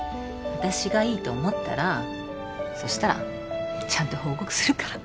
私がいいと思ったらそしたらちゃんと報告するから。